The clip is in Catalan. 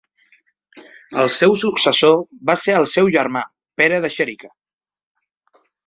El seu successor va ser el seu germà Pere de Xèrica.